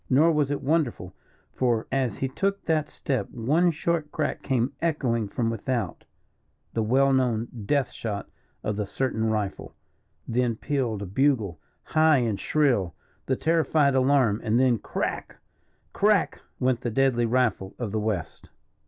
Nor was it wonderful, for as he took that step, one short crack came echoing from without, the well known death shot of the certain rifle then pealed a bugle, high and shrill the terrified alarm and then crack! crack! went the deadly rifle of the west.